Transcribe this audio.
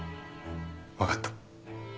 分かった。